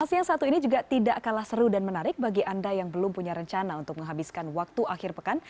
lokasi yang satu ini juga tidak kalah seru dan menarik bagi anda yang belum punya rencana untuk menghabiskan waktu akhir pekan